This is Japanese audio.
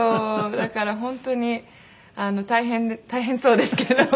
だから本当に大変大変そうですけども。